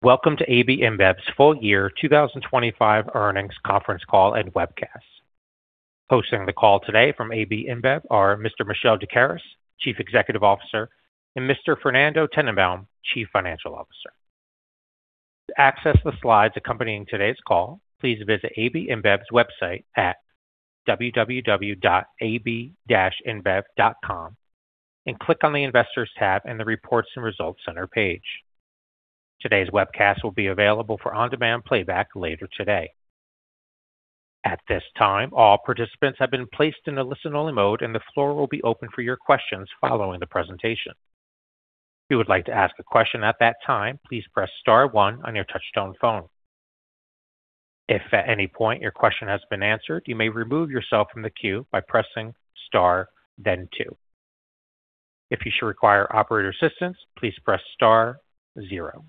Welcome to AB InBev's full year 2025 Earnings Conference Call and Webcast. Hosting the call today from AB InBev are Mr. Michel Doukeris, Chief Executive Officer, and Mr. Fernando Tennenbaum, Chief Financial Officer. To access the slides accompanying today's call, please visit AB InBev's website at www.ab-inbev.com, and click on the Investors tab in the Reports and Results Center page. Today's webcast will be available for on-demand playback later today. At this time, all participants have been placed in a listen-only mode, and the floor will be open for your questions following the presentation. If you would like to ask a question at that time, please press star one on your touchtone phone. If at any point your question has been answered, you may remove yourself from the queue by pressing star, then two. If you should require operator assistance, please press star zero.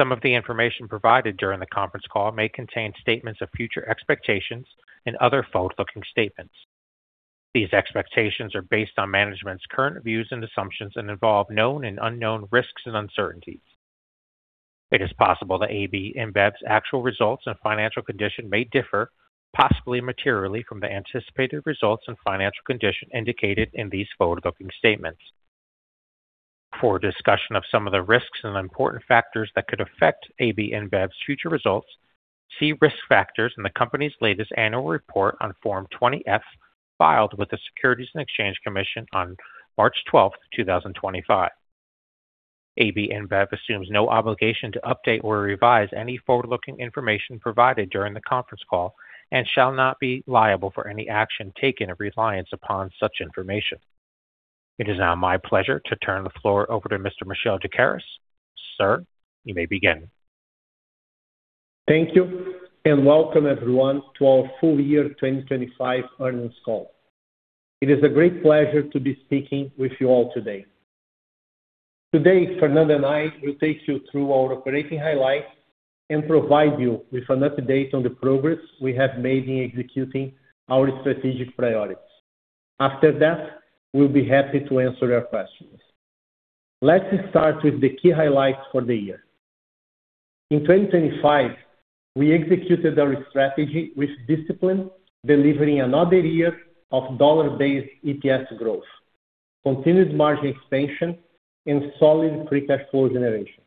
Some of the information provided during the conference call may contain statements of future expectations and other forward-looking statements. These expectations are based on management's current views and assumptions and involve known and unknown risks and uncertainties. It is possible that AB InBev's actual results and financial condition may differ, possibly materially, from the anticipated results and financial condition indicated in these forward-looking statements. For a discussion of some of the risks and important factors that could affect AB InBev's future results, see Risk Factors in the company's latest annual report on Form 20-F, filed with the Securities and Exchange Commission on March twelfth, 2025. AB InBev assumes no obligation to update or revise any forward-looking information provided during the conference call and shall not be liable for any action taken in reliance upon such information. It is now my pleasure to turn the floor over to Mr. Michel Doukeris. Sir, you may begin. Thank you, and welcome, everyone, to our full year 2025 earnings call. It is a great pleasure to be speaking with you all today. Today, Fernando and I will take you through our operating highlights and provide you with an update on the progress we have made in executing our strategic priorities. After that, we'll be happy to answer your questions. Let's start with the key highlights for the year. In 2025, we executed our strategy with discipline, delivering another year of dollar-based EPS growth, continued margin expansion, and solid free cash flow generation,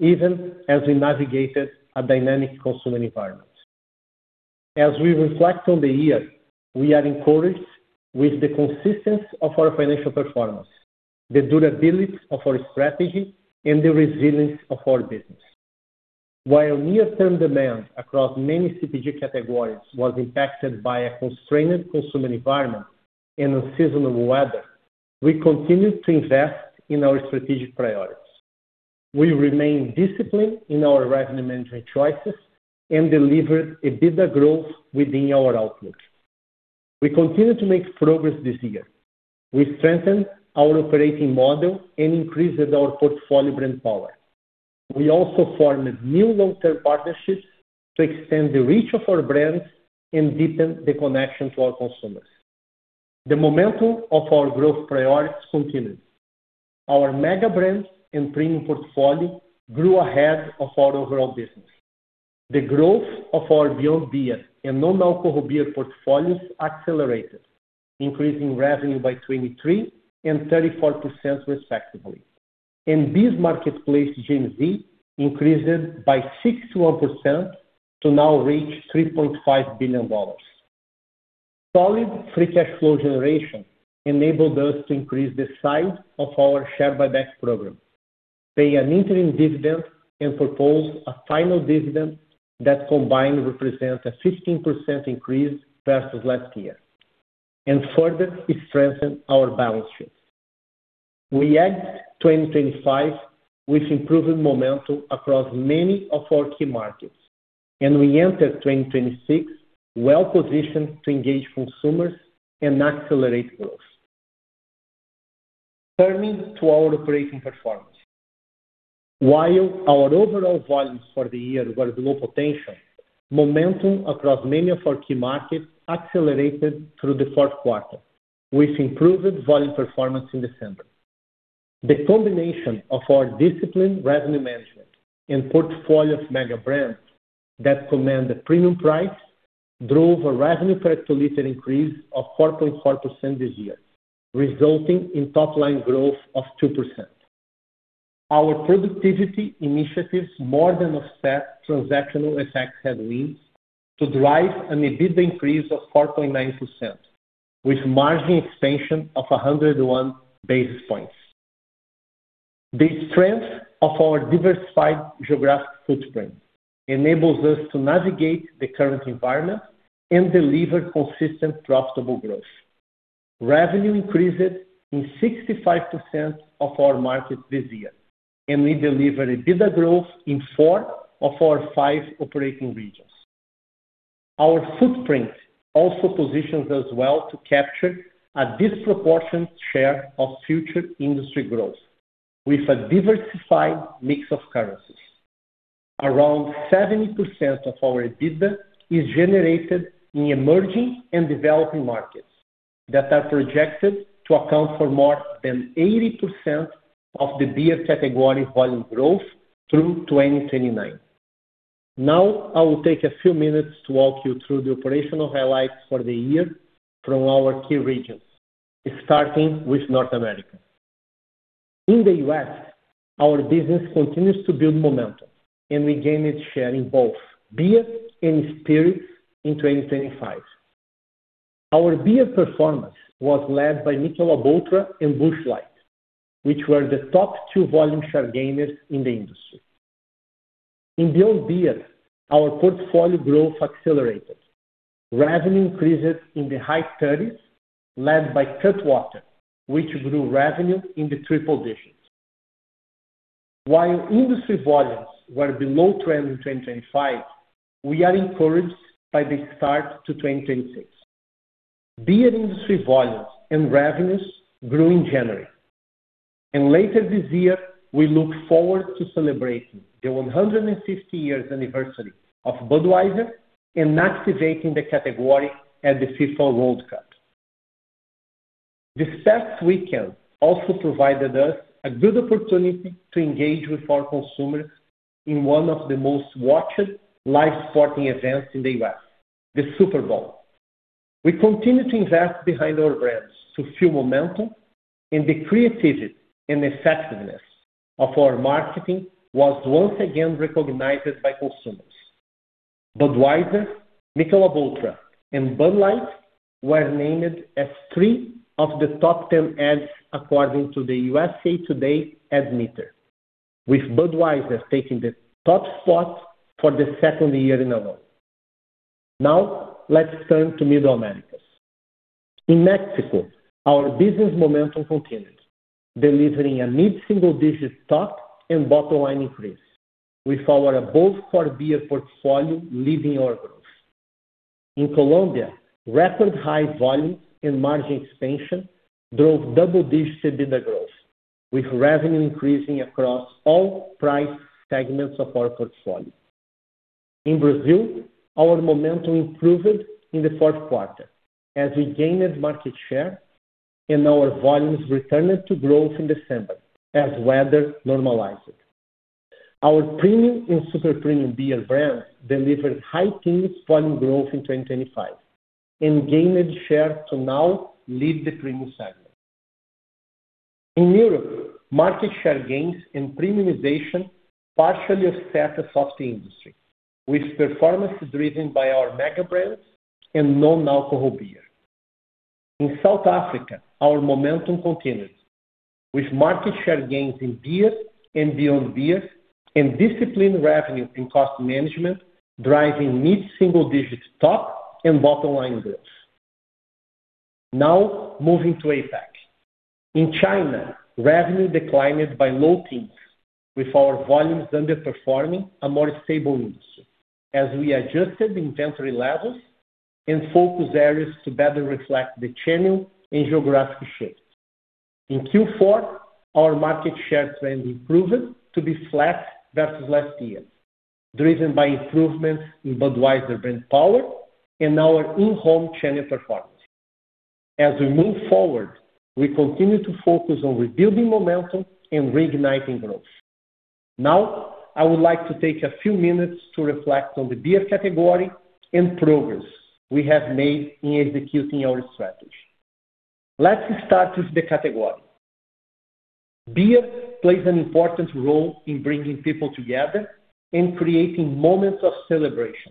even as we navigated a dynamic consumer environment. As we reflect on the year, we are encouraged with the consistency of our financial performance, the durability of our strategy, and the resilience of our business. While near-term demand across many CPG categories was impacted by a constrained consumer environment and unseasonable weather, we continued to invest in our strategic priorities. We remained disciplined in our revenue management choices and delivered EBITDA growth within our outlook. We continued to make progress this year. We strengthened our operating model and increased our portfolio brand power. We also formed new long-term partnerships to extend the reach of our brands and deepen the connection to our consumers. The momentum of our growth priorities continued. Our Mega Brands and premium portfolio grew ahead of our overall business. The growth of our Beyond Beer and non-alcohol beer portfolios accelerated, increasing revenue by 23% and 34%, respectively, and BEES Marketplace GMV increased by 61% to now reach $3.5 billion. Solid free cash flow generation enabled us to increase the size of our share buyback program, pay an interim dividend, and propose a final dividend that combined represents a 15% increase versus last year, and further strengthen our balance sheet. We end 2025 with improved momentum across many of our key markets, and we enter 2026 well-positioned to engage consumers and accelerate growth. Turning to our operating performance, while our overall volumes for the year were below potential, momentum across many of our key markets accelerated through the fourth quarter, with improved volume performance in December. The combination of our disciplined revenue management and portfolio of mega brands that command a premium price, drove a revenue per hectoliter increase of 4.4% this year, resulting in top-line growth of 2%. Our productivity initiatives more than offset transactional effects headwinds to drive an EBITDA increase of 4.9%, with margin expansion of 101 basis points. The strength of our diversified geographic footprint enables us to navigate the current environment and deliver consistent, profitable growth. Revenue increased in 65% of our markets this year, and we delivered EBITDA growth in four of our five operating regions. Our footprint also positions us well to capture a disproportionate share of future industry growth with a diversified mix of currencies. around 70% of our EBITDA is generated in emerging and developing markets that are projected to account for more than 80% of the beer category volume growth through 2029. Now, I will take a few minutes to walk you through the operational highlights for the year from our key regions, starting with North America. In the U.S., our business continues to build momentum, and we gained share in both beer and spirits in 2025. Our beer performance was led by Michelob ULTRA and Busch Light, which were the top two volume share gainers in the industry. In Beyond Beer, our portfolio growth accelerated. Revenue increases in the high 30s, led by Cutwater, which grew revenue in the triple digits. While industry volumes were below trend in 2025, we are encouraged by the start to 2026. Beer industry volumes and revenues grew in January, and later this year, we look forward to celebrating the 150-year anniversary of Budweiser and activating the category at the FIFA World Cup. This past weekend also provided us a good opportunity to engage with our consumers in one of the most watched live sporting events in the U.S., the Super Bowl. We continue to invest behind our brands to fuel momentum, and the creativity and effectiveness of our marketing was once again recognized by consumers. Budweiser, Michelob ULTRA, and Bud Light were named as three of the top 10 ads, according to the USA Today Ad Meter, with Budweiser taking the top spot for the second year in a row. Now, let's turn to Middle Americas. In Mexico, our business momentum continued, delivering a mid-single-digit top and bottom line increase, with our above core beer portfolio leading our growth. In Colombia, record high volume and margin expansion drove double-digit EBITDA growth, with revenue increasing across all price segments of our portfolio. In Brazil, our momentum improved in the fourth quarter as we gained market share and our volumes returned to growth in December as weather normalizes. Our premium and super-premium beer brands delivered high teens volume growth in 2025 and gained share to now lead the premium segment. In Europe, market share gains and premiumization partially offset a soft industry, with performance driven by our mega brands and non-alcohol beer. In South Africa, our momentum continued, with market share gains in beer and beyond beer, and disciplined revenue and cost management, driving mid-single-digit top and bottom line growth. Now, moving to APAC. In China, revenue declined by low teens, with our volumes underperforming a more stable industry as we adjusted inventory levels and focus areas to better reflect the channel and geographic shifts. In Q4, our market share trend improved to be flat versus last year, driven by improvements in Budweiser brand power and our in-home channel performance. As we move forward, we continue to focus on rebuilding momentum and reigniting growth. Now, I would like to take a few minutes to reflect on the beer category and progress we have made in executing our strategy. Let's start with the category. Beer plays an important role in bringing people together and creating moments of celebration,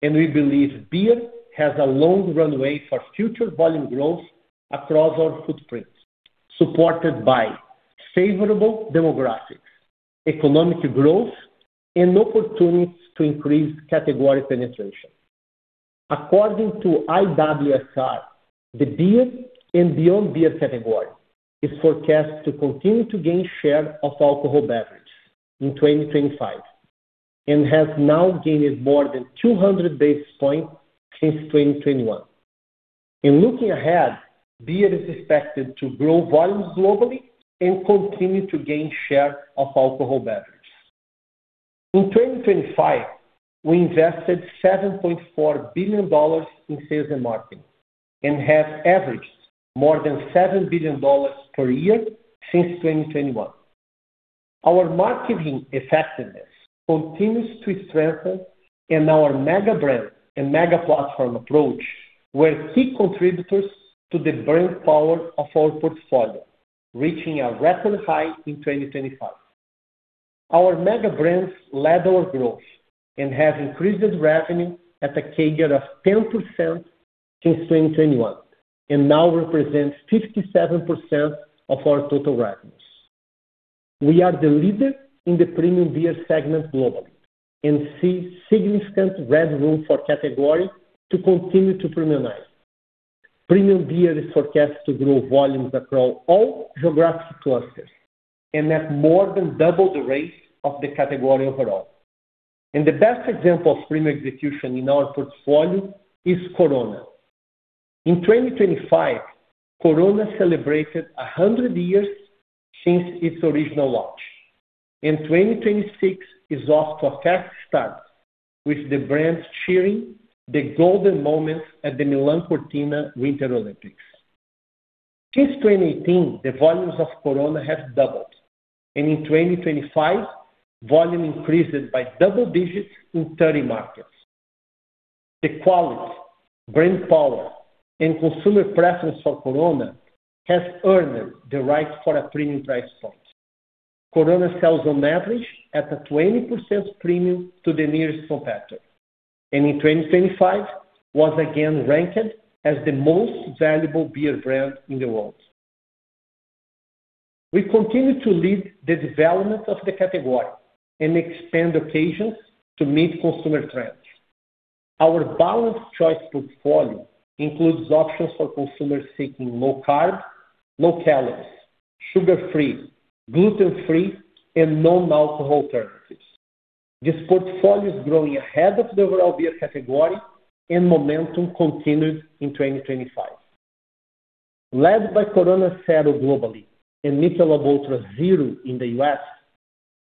and we believe beer has a long runway for future volume growth across our footprints, supported by favorable demographics, economic growth, and opportunities to increase category penetration. According to IWSR, the beer and beyond beer category is forecast to continue to gain share of alcohol beverage in 2025 and has now gained more than 200 basis points since 2021. In looking ahead, beer is expected to grow volumes globally and continue to gain share of alcohol beverage. In 2025, we invested $7.4 billion in sales and marketing and have averaged more than $7 billion per year since 2021. Our marketing effectiveness continues to strengthen, and our Mega Brand and Mega Platform approach were key contributors to the brand power of our portfolio, reaching a record high in 2025. Our Mega Brands led our growth and have increased revenue at a CAGR of 10% since 2021 and now represents 57% of our total revenues. We are the leader in the premium beer segment globally and see significant headroom for category to continue to premiumize. Premium beer is forecast to grow volumes across all geographic clusters and at more than double the rate of the category overall. The best example of premium execution in our portfolio is Corona. In 2025, Corona celebrated 100 years since its original launch. In 2026 is off to a fast start, with the brand cheering the golden moments at the Milan-Cortina Winter Olympics. Since 2018, the volumes of Corona have doubled, and in 2025, volume increased by double digits in 30 markets. The quality, brand power, and consumer preference for Corona has earned the right for a premium price point. Corona sells on average at a 20% premium to the nearest competitor, and in 2025, was again ranked as the most valuable beer brand in the world. We continue to lead the development of the category and expand occasions to meet consumer trends. Our balanced choice portfolio includes options for consumers seeking low carb, low calories, sugar-free, gluten-free, and non-alcohol alternatives. This portfolio is growing ahead of the overall beer category, and momentum continued in 2025. Led by Corona Cero globally and Michelob ULTRA Zero in the U.S.,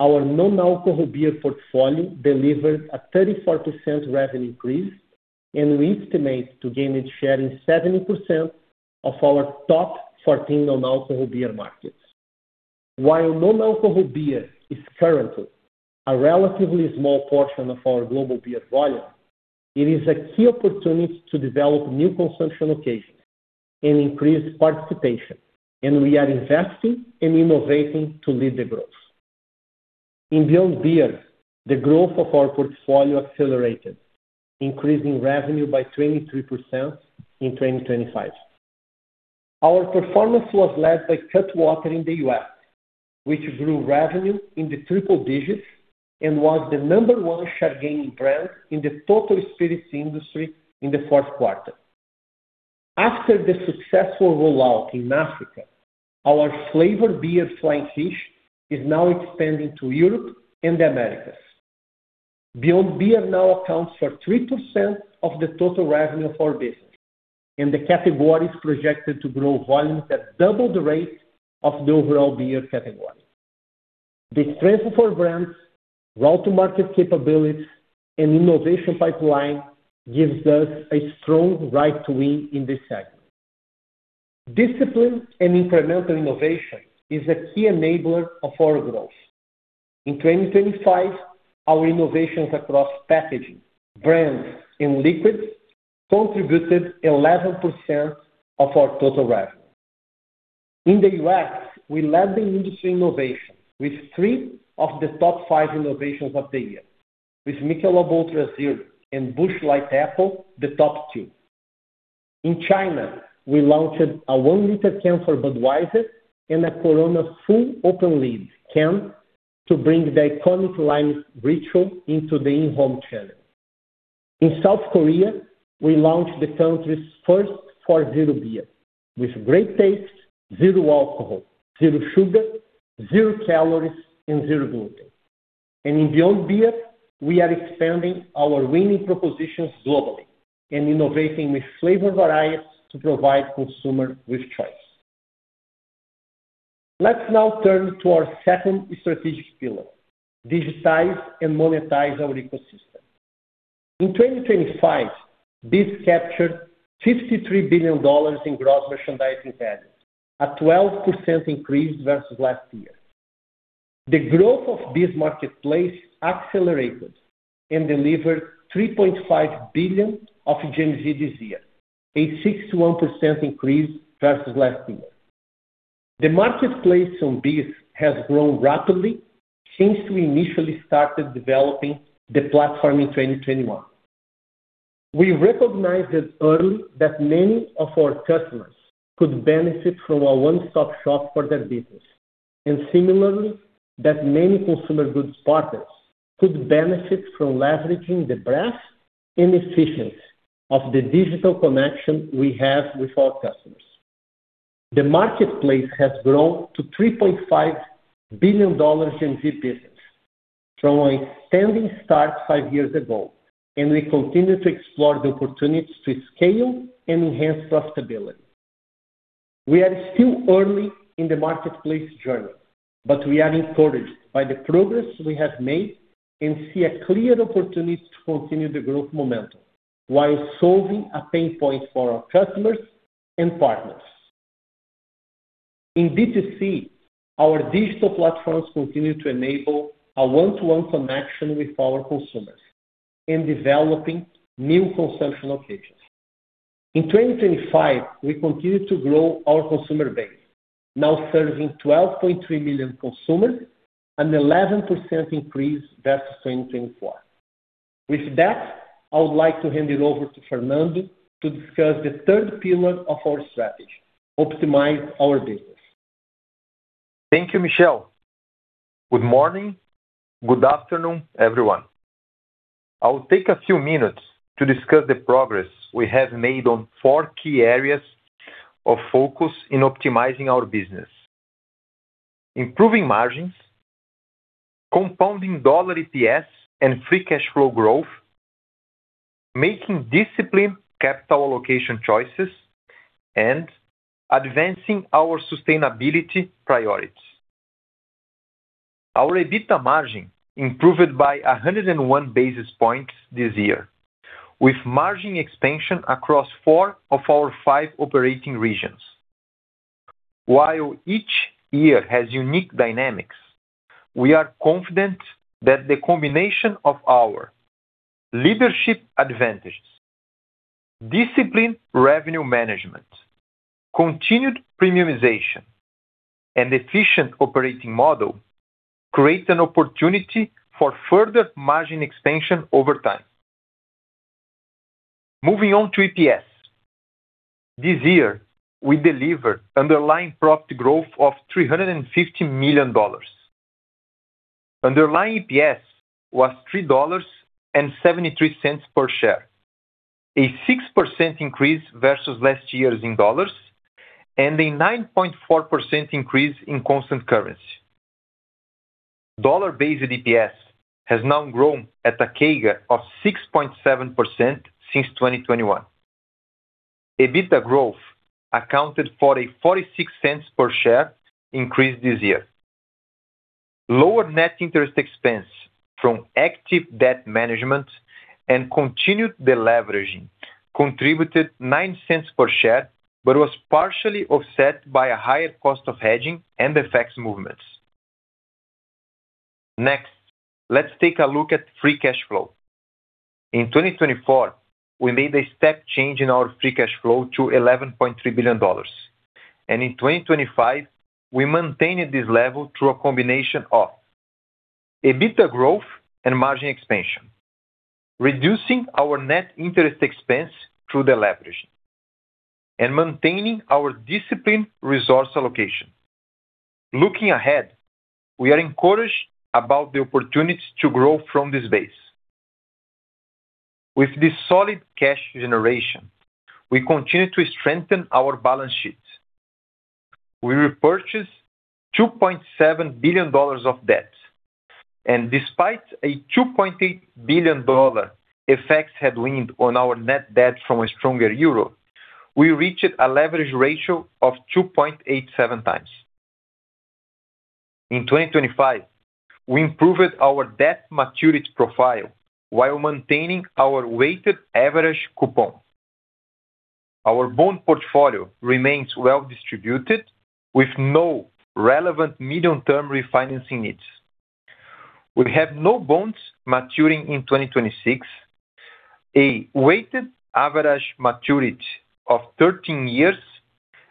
our non-alcohol beer portfolio delivered a 34% revenue increase, and we estimate to gain its share in 70% of our top 14 non-alcohol beer markets. While non-alcohol beer is currently a relatively small portion of our global beer volume, it is a key opportunity to develop new consumption occasions and increase participation, and we are investing and innovating to lead the growth. In Beyond Beer, the growth of our portfolio accelerated, increasing revenue by 23% in 2025. Our performance was led by Cutwater in the U.S., which grew revenue in the triple digits and was the number one share gaining brand in the total spirits industry in the fourth quarter. After the successful rollout in Africa, our flavored beer, Flying Fish, is now expanding to Europe and the Americas. Beyond Beer now accounts for 3% of the total revenue of our business, and the category is projected to grow volumes at double the rate of the overall beer category. The strength of our brands, go-to-market capabilities, and innovation pipeline gives us a strong right to win in this segment. Discipline and incremental innovation is a key enabler of our growth. In 2025, our innovations across packaging, brands, and liquids contributed 11% of our total revenue. In the U.S., we led the industry innovation with 3 of the top 5 innovations of the year, with Michelob ULTRA Zero and Busch Light Apple, the top 2. In China, we launched a 1-liter can for Budweiser and a Corona full open lead can to bring the iconic lime ritual into the in-home channel. In South Korea, we launched the country's first zero beer, with great taste, zero alcohol, zero sugar, zero calories, and zero gluten. In Beyond Beer, we are expanding our winning propositions globally and innovating with flavor varieties to provide consumers with choice. Let's now turn to our second strategic pillar, digitize and monetize our ecosystem. In 2025, this captured $53 billion in gross merchandise value, a 12% increase versus last year. The growth of this marketplace accelerated and delivered $3.5 billion of GMV this year, a 61% increase versus last year. The marketplace on BEES has grown rapidly since we initially started developing the platform in 2021. We recognized it early that many of our customers could benefit from a one-stop shop for their business, and similarly, that many consumer goods partners could benefit from leveraging the breadth and efficiency of the digital connection we have with our customers. The marketplace has grown to $3.5 billion in GMV business from a standing start five years ago, and we continue to explore the opportunities to scale and enhance profitability. We are still early in the marketplace journey, but we are encouraged by the progress we have made and see a clear opportunity to continue the growth momentum while solving a pain point for our customers and partners. In D2C, our digital platforms continue to enable a one-to-one connection with our consumers in developing new consumption occasions. In 2025, we continued to grow our consumer base, now serving 12.3 million consumers, an 11% increase versus 2024. With that, I would like to hand it over to Fernando to discuss the third pillar of our strategy, optimize our business. Thank you, Michel. Good morning. Good afternoon, everyone. I will take a few minutes to discuss the progress we have made on four key areas of focus in optimizing our business: improving margins, compounding dollar EPS and free cash flow growth, making disciplined capital allocation choices, and advancing our sustainability priorities. Our EBITDA margin improved by 101 basis points this year, with margin expansion across four of our five operating regions. While each year has unique dynamics, we are confident that the combination of our leadership advantages, disciplined revenue management, continued premiumization, and efficient operating model create an opportunity for further margin expansion over time. Moving on to EPS. This year, we delivered underlying profit growth of $350 million. Underlying EPS was $3.73 per share, a 6% increase versus last year's in dollars, and a 9.4% increase in constant currency. Dollar-based EPS has now grown at a CAGR of 6.7% since 2021. EBITDA growth accounted for a $0.46 per share increase this year. Lower net interest expense from active debt management and continued deleveraging contributed $0.09 per share, but was partially offset by a higher cost of hedging and the FX movements. Next, let's take a look at free cash flow. In 2024, we made a step change in our free cash flow to $11.3 billion. In 2025, we maintained this level through a combination of EBITDA growth and margin expansion, reducing our net interest expense through deleveraging, and maintaining our disciplined resource allocation. Looking ahead, we are encouraged about the opportunity to grow from this base. With this solid cash generation, we continue to strengthen our balance sheet. We repurchased $2.7 billion of debt, and despite a $2.8 billion FX headwind on our net debt from a stronger Euro, we reached a leverage ratio of 2.87 times. In 2025, we improved our debt maturity profile while maintaining our weighted average coupon. Our bond portfolio remains well distributed, with no relevant medium-term refinancing needs. We have no bonds maturing in 2026, a weighted average maturity of 13 years,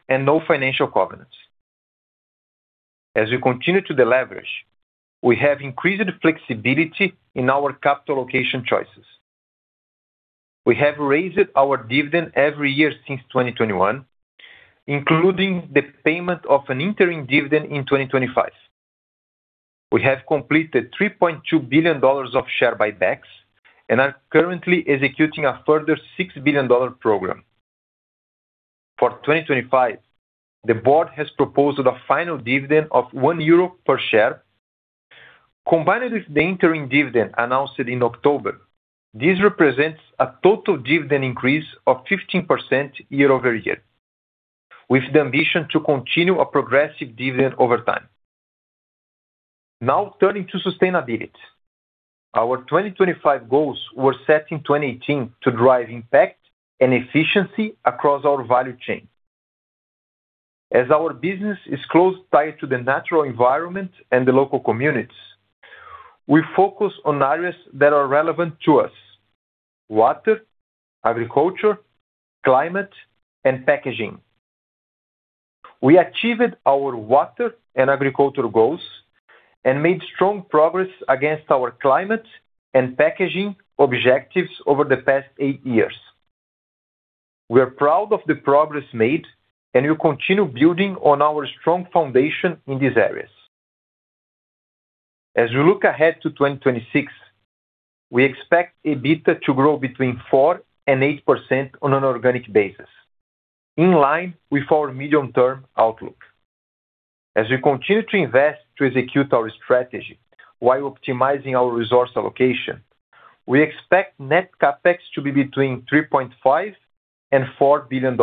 and no financial covenants. As we continue to deleverage, we have increased flexibility in our capital allocation choices. We have raised our dividend every year since 2021, including the payment of an interim dividend in 2025. We have completed $3.2 billion of share buybacks, and are currently executing a further $6 billion program. For 2025, the board has proposed a final dividend of 1 euro per share. Combined with the interim dividend announced in October, this represents a total dividend increase of 15% year-over-year, with the ambition to continue a progressive dividend over time. Now, turning to sustainability. Our 2025 goals were set in 2018 to drive impact and efficiency across our value chain. As our business is closely tied to the natural environment and the local communities, we focus on areas that are relevant to us: water, agriculture, climate, and packaging. We achieved our water and agriculture goals, and made strong progress against our climate and packaging objectives over the past 8 years. We are proud of the progress made, and we'll continue building on our strong foundation in these areas. As we look ahead to 2026, we expect EBITDA to grow between 4%-8% on an organic basis, in line with our medium-term outlook. As we continue to invest to execute our strategy while optimizing our resource allocation, we expect net CapEx to be between $3.5 billion-$4 billion.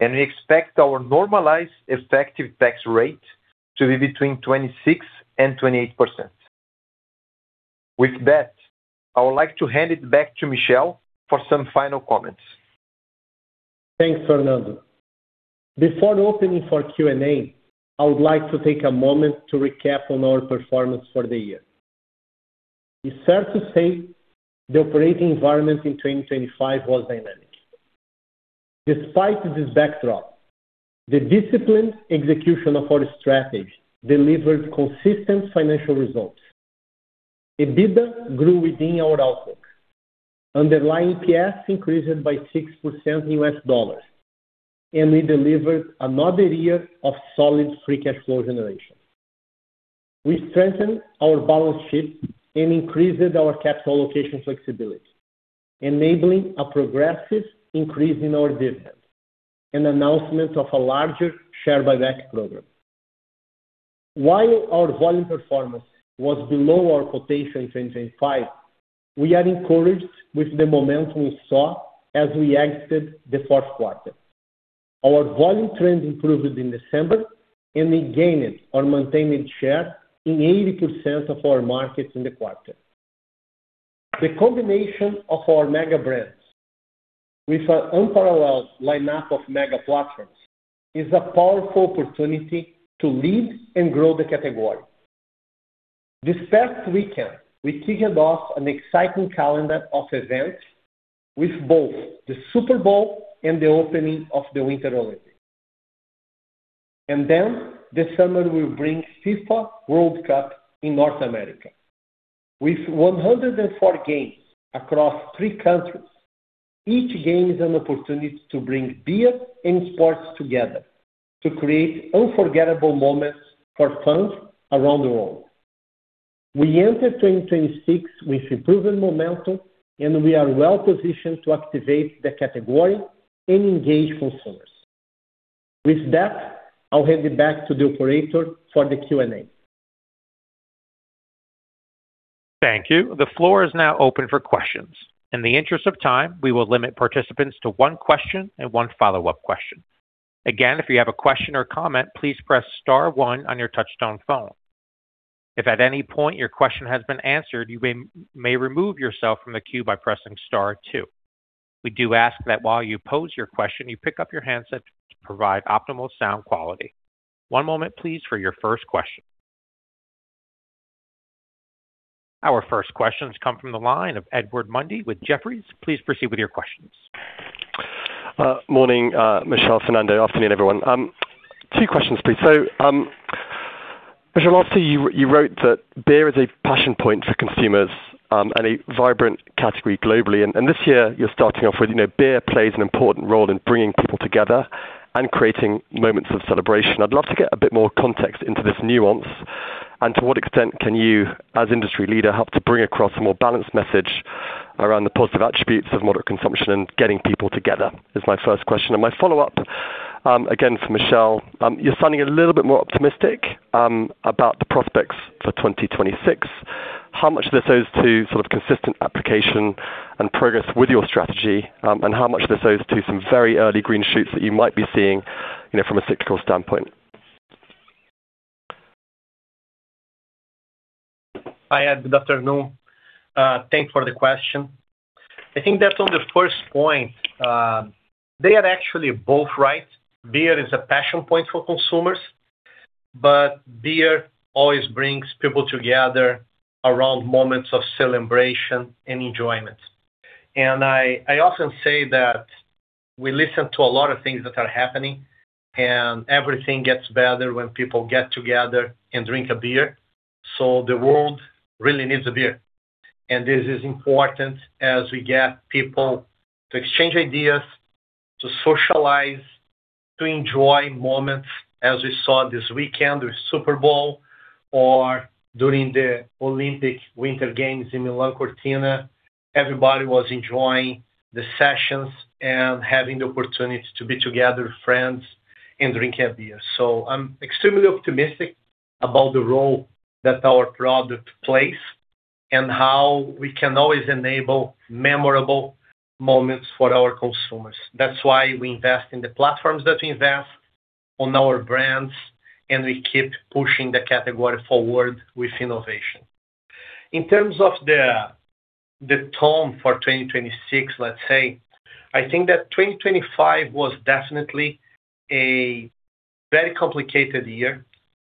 We expect our normalized effective tax rate to be between 26%-28%. With that, I would like to hand it back to Michel for some final comments. Thanks, Fernando. Before opening for Q&A, I would like to take a moment to recap on our performance for the year. It's fair to say the operating environment in 2025 was dynamic. Despite this backdrop, the disciplined execution of our strategy delivered consistent financial results. EBITDA grew within our outlook. Underlying EPS increased by 6% in U.S. dollars, and we delivered another year of solid free cash flow generation. We strengthened our balance sheet and increased our capital allocation flexibility, enabling a progressive increase in our dividend and announcement of a larger share buyback program. While our volume performance was below our expectations in 2025, we are encouraged with the momentum we saw as we exited the fourth quarter. Our volume trend improved in December, and we gained or maintained share in 80% of our markets in the quarter. The combination of our Mega Brands with our unparalleled lineup of Mega Platforms is a powerful opportunity to lead and grow the category. This past weekend, we kicked off an exciting calendar of events with both the Super Bowl and the opening of the Winter Olympics. And then the summer will bring FIFA World Cup in North America. With 104 games across three countries, each game is an opportunity to bring beer and sports together to create unforgettable moments for fans around the world. We enter 2026 with improving momentum, and we are well positioned to activate the category and engage consumers. With that, I'll hand it back to the operator for the Q&A. Thank you. The floor is now open for questions. In the interest of time, we will limit participants to one question and one follow-up question. Again, if you have a question or comment, please press star one on your touchtone phone. If at any point your question has been answered, you may remove yourself from the queue by pressing star two. We do ask that while you pose your question, you pick up your handset to provide optimal sound quality. One moment, please, for your first question. Our first question has come from the line of Edward Mundy with Jefferies. Please proceed with your questions. Morning, Michel, Fernando. Afternoon, everyone two questions, please. So, Michel, after you wrote that beer is a passion point for consumers, and a vibrant category globally. And this year, you're starting off with, you know, beer plays an important role in bringing people together and creating moments of celebration. I'd love to get a bit more context into this nuance, and to what extent can you, as industry leader, help to bring across a more balanced message around the positive attributes of moderate consumption and getting people together? This is my first question. And my follow-up, again, for Michel. You're sounding a little bit more optimistic about the prospects for 2026. How much of this owes to sort of consistent application and progress with your strategy? How much of this owes to some very early green shoots that you might be seeing, you know, from a cyclical standpoint? Hi, Ed. Good afternoon. Thank you for the question. I think that on the first point, they are actually both right. Beer is a passion point for consumers, but beer always brings people together around moments of celebration and enjoyment. And I often say that we listen to a lot of things that are happening, and everything gets better when people get together and drink a beer, so the world really needs a beer. And this is important as we get people to exchange ideas, to socialize, to enjoy moments, as we saw this weekend with Super Bowl or during the Olympic Winter Games in Milan-Cortina. Everybody was enjoying the sessions and having the opportunity to be together with friends and drink a beer. So I'm extremely optimistic about the role that our product plays and how we can always enable memorable moments for our consumers. That's why we invest in the platforms that we invest on our brands, and we keep pushing the category forward with innovation. In terms of the tone for 2026, let's say, I think that 2025 was definitely a very complicated year,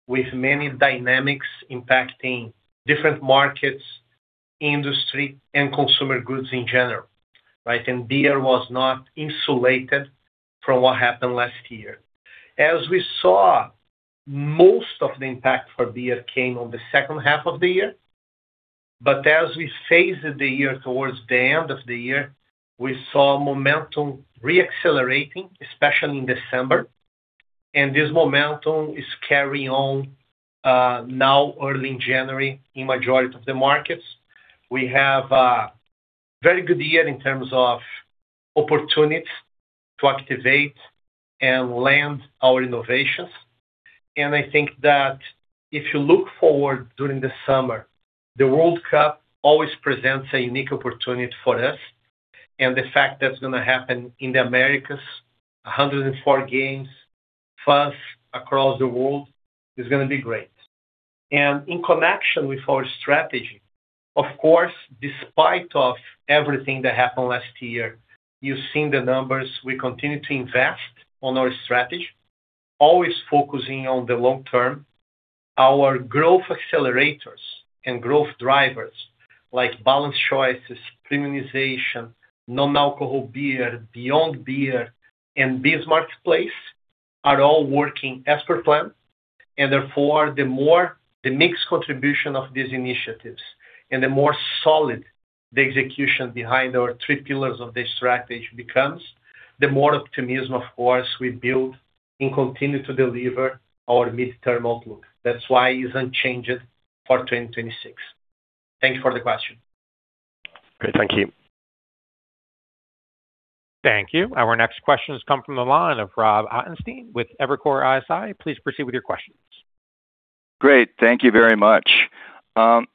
with many dynamics impacting different markets, industry, and consumer goods in general, right? Beer was not insulated from what happened last year. As we saw, most of the impact for beer came on the second half of the year. As we phased the year towards the end of the year, we saw momentum re-accelerating, especially in December. This momentum is carrying on, now, early in January, in majority of the markets. We have a very good year in terms of opportunities to activate and land our innovations. I think that if you look forward during the summer, the World Cup always presents a unique opportunity for us. The fact that it's gonna happen in the Americas, 104 games, fans across the world, is gonna be great. In connection with our strategy, of course, despite of everything that happened last year, you've seen the numbers. We continue to invest on our strategy, always focusing on the long term. Our growth accelerators and growth drivers, like balanced choices, premiumization, non-alcohol beer, beyond beer, and BEES Marketplace, are all working as per plan, and therefore, the more the mix contribution of these initiatives and the more solid the execution behind our three pillars of the strategy becomes, the more optimism, of course, we build and continue to deliver our mid-term outlook. That's why it's unchanged for 2026. Thank you for the question. Great. Thank you. Thank you. Our next question has come from the line of Rob Ottenstein with Evercore ISI. Please proceed with your questions. Great, thank you very much.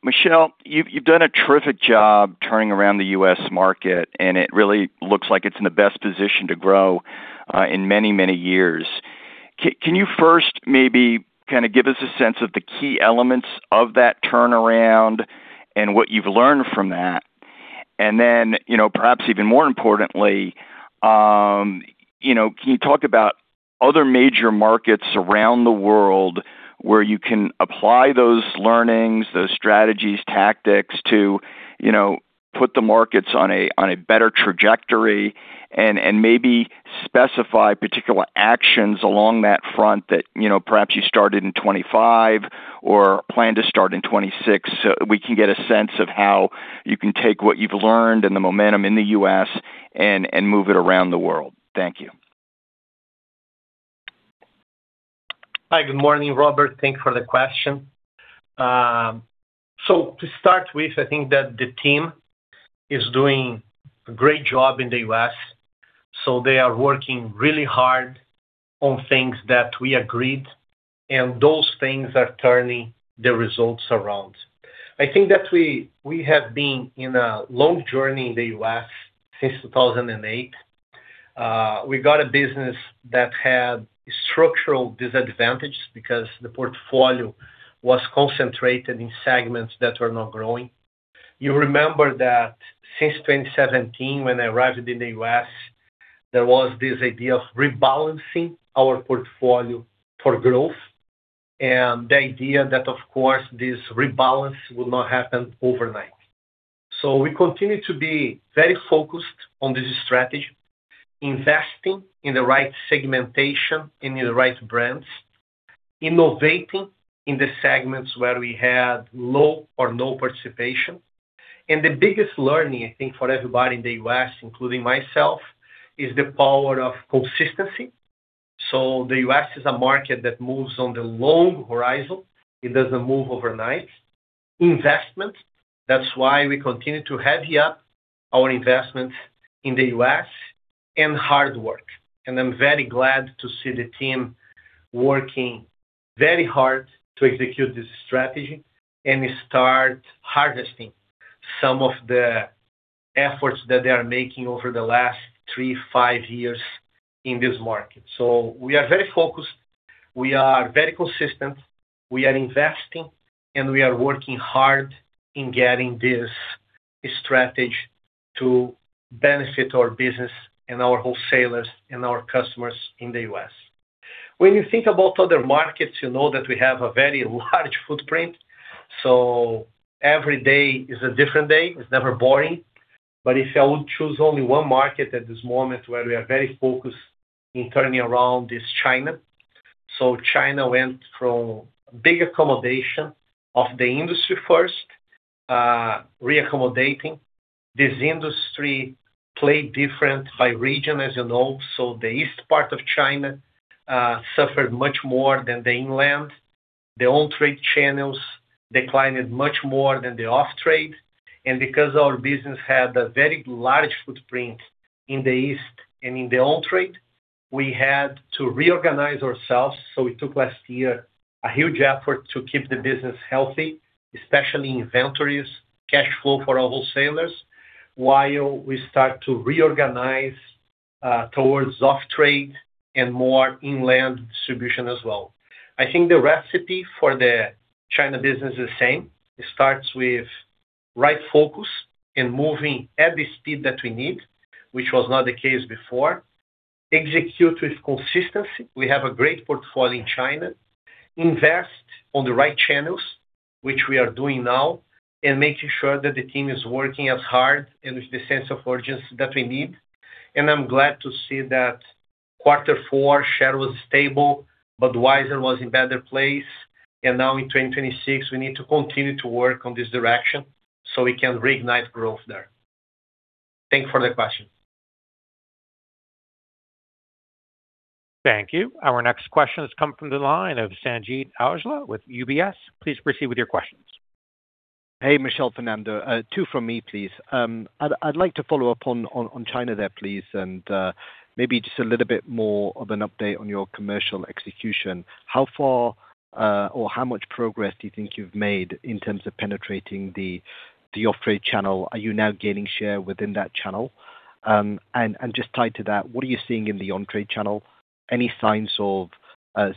Michel, you've done a terrific job turning around the U.S. market, and it really looks like it's in the best position to grow in many, many years. Can you first maybe kind of give us a sense of the key elements of that turnaround and what you've learned from that? And then, you know, perhaps even more importantly, you know, can you talk about other major markets around the world where you can apply those learnings, those strategies, tactics to, you know, put the markets on a, on a better trajectory, and maybe specify particular actions along that front that, you know, perhaps you started in 2025 or plan to start in 2026? So we can get a sense of how you can take what you've learned and the momentum in the U.S. and move it around the world. Thank you. Hi, good morning, Robert. Thank you for the question. So to start with, I think that the team is doing a great job in the U.S., so they are working really hard on things that we agreed, and those things are turning the results around. I think that we, we have been in a long journey in the U.S. since 2008. We got a business that had structural disadvantages because the portfolio was concentrated in segments that were not growing. You remember that since 2017, when I arrived in the U.S., there was this idea of rebalancing our portfolio for growth, and the idea that, of course, this rebalance will not happen overnight. So we continue to be very focused on this strategy, investing in the right segmentation, in the right brands, innovating in the segments where we had low or no participation. The biggest learning, I think, for everybody in the U.S., including myself, is the power of consistency. The U.S. is a market that moves on the long horizon. It doesn't move overnight. Investment, that's why we continue to heavy up our investments in the U.S., and hard work. I'm very glad to see the team working very hard to execute this strategy and start harvesting some of the efforts that they are making over the last 3, 5 years in this market. We are very focused, we are very consistent, we are investing, and we are working hard in getting this strategy to benefit our business and our wholesalers and our customers in the U.S. When you think about other markets, you know that we have a very large footprint, so every day is a different day. It's never boring. But if I would choose only one market at this moment, where we are very focused in turning around, is China. So China went from big accommodation of the industry first, re-accommodating. This industry played different by region, as you know, so the east part of China, suffered much more than the inland. The on-trade channels declined much more than the off-trade, and because our business had a very large footprint in the east and in the on-trade, we had to reorganize ourselves. So it took last year a huge effort to keep the business healthy, especially inventories, cash flow for our wholesalers, while we start to reorganize, towards off-trade and more inland distribution as well. I think the recipe for the China business is the same. It starts with right focus and moving at the speed that we need, which was not the case before. Execute with consistency. We have a great portfolio in China. Invest on the right channels, which we are doing now, and making sure that the team is working as hard and with the sense of urgency that we need. And I'm glad to see that quarter four, share was stable, but Budweiser was in better place. And now in 2026, we need to continue to work on this direction, so we can reignite growth there. Thank you for the question. Thank you. Our next question has come from the line of Sanjeet Aujla with UBS. Please proceed with your questions. Hey, Michel, Fernando. Two from me, please. I'd like to follow up on China there, please, and maybe just a little bit more of an update on your commercial execution. How far or how much progress do you think you've made in terms of penetrating the off-trade channel? Are you now gaining share within that channel? And just tied to that, what are you seeing in the on-trade channel? Any signs of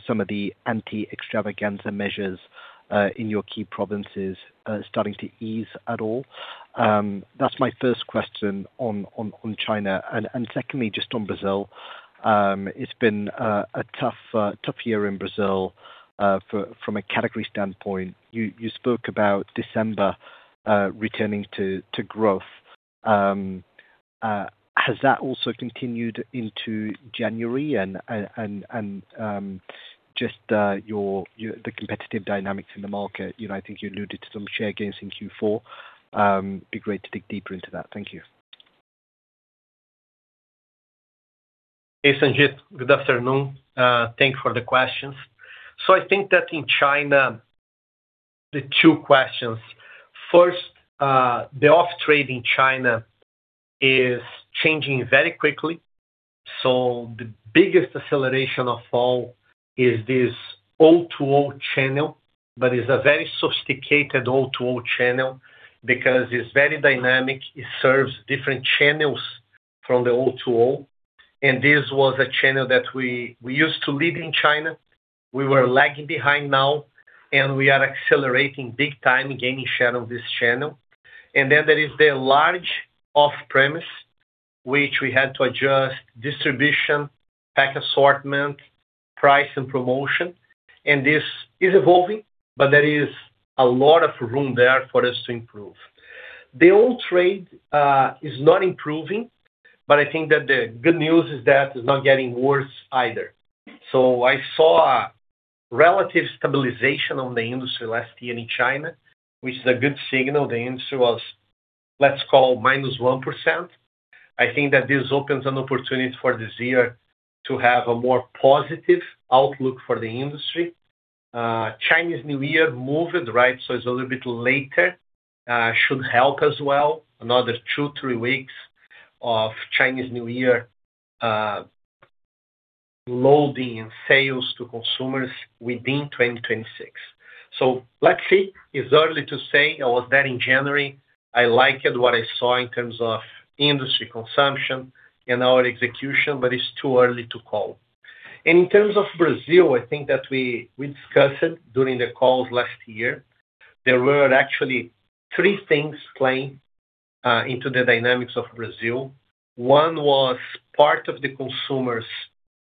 some of the anti-extravagance measures in your key provinces starting to ease at all? That's my first question on China. And secondly, just on Brazil. It's been a tough year in Brazil from a category standpoint. You spoke about December returning to growth. Has that also continued into January? Just your the competitive dynamics in the market, you know, I think you alluded to some share gains in Q4. Be great to dig deeper into that. Thank you. Hey, Sanjit. Good afternoon. Thank you for the questions. So I think that in China, the two questions. First, the off trade in China is changing very quickly. So the biggest acceleration of all is this O2O channel, but it's a very sophisticated O2O channel because it's very dynamic, it serves different channels from the O2O, and this was a channel that we used to lead in China. We were lagging behind now, and we are accelerating big time, gaining share of this channel. And then there is the large off-premise, which we had to adjust distribution, pack assortment, price, and promotion. And this is evolving, but there is a lot of room there for us to improve. The on trade is not improving, but I think that the good news is that it's not getting worse either. So I saw a relative stabilization on the industry last year in China, which is a good signal. The industry was, let's call, minus 1%. I think that this opens an opportunity for this year to have a more positive outlook for the industry. Chinese New Year moved, right? So it's a little bit later, should help as well. Another two, three weeks of Chinese New Year, loading and sales to consumers within 2026. So let's see. It's early to say. I was there in January. I liked what I saw in terms of industry consumption and our execution, but it's too early to call. In terms of Brazil, I think that we, we discussed it during the calls last year. There were actually three things playing into the dynamics of Brazil. One was part of the consumers